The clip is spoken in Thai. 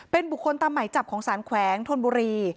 เป็นบุคคลตามหมายจับของสารแขวงธนบุรี